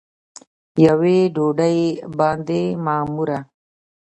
یوې ډوډۍ باندې معموره